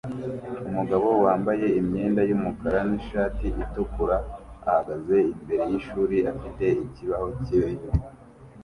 Umugabo wambaye imyenda yumukara nishati itukura ahagaze imbere yishuri afite ikibaho cyera inyuma